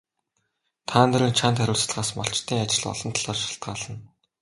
Та нарын чанд хариуцлагаас малчдын ажил олон талаар шалтгаална.